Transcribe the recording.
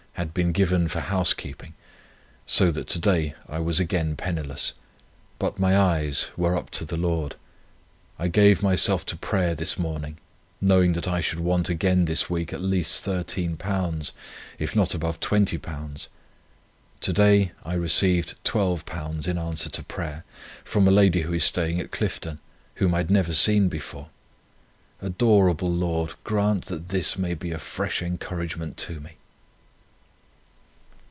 had been given for house keeping, so that to day I was again penniless. But my eyes were up to the Lord. I gave myself to prayer this morning, knowing that I should want again this week at least £13, if not above £20. To day I received £12 in answer to prayer, from a lady who is staying at Clifton, whom I had never seen before. Adorable Lord, grant that this may be a fresh encouragement to me!"